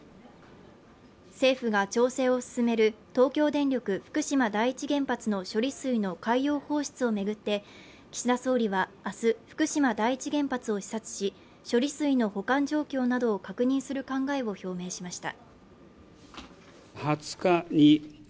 政府が調整を進める東京電力福島第一原発の処理水の海洋放出を巡って、岸田総理は明日、福島第一原発を視察し、処理水の保管状況などを確認する考えを表明しました。